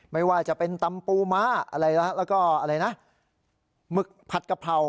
ไม่ว่าจะเป็นตำปูมะแล้วก็มึกผัดกะเพรา